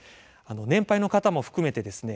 年配の方も含めてですね